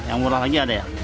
yang murah lagi ada ya